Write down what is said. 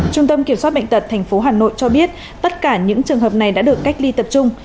trung tâm kiểm soát bệnh tật tp hà nội cho biết tất cả những trường hợp này đã được cách ly tập trung